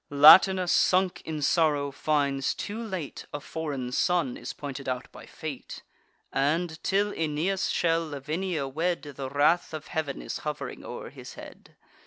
Latinus, sunk in sorrow, finds too late, A foreign son is pointed out by fate; And, till Aeneas shall Lavinia wed, The wrath of Heav'n is hov'ring o'er his head.